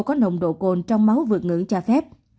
có nồng độ cồn trong máu vượt ngưỡng cho phép